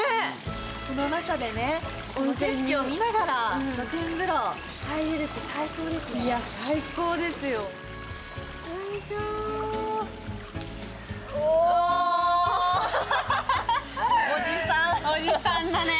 この中で景色を見ながら露天風呂入れるって最高ですね。